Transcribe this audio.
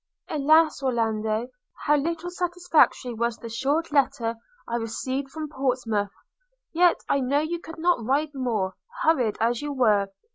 – Alas! Orlando, how little satisfactory was the short letter I received from Portsmouth! yet I know you could not write more, hurried as you were.